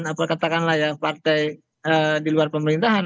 apa katakanlah ya partai di luar pemerintahan